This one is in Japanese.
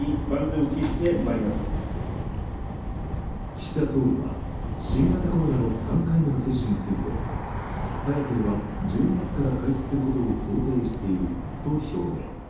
岸田総理は、新型コロナの３回目の接種について早ければ１２月から開始することを想定していると表明。